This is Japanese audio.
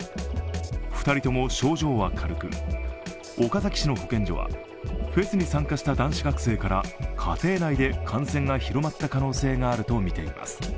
２人とも症状は軽く岡崎市の保健所はフェスに参加した男子学生から家庭内で感染が広まった可能性があるとみています。